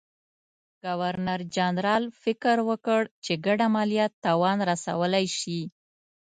ګورنرجنرال فکر وکړ چې ګډ عملیات تاوان رسولای شي.